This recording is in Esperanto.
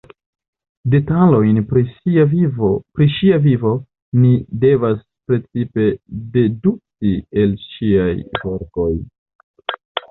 Detalojn pri ŝia vivo ni devas precipe dedukti el ŝiaj verkoj.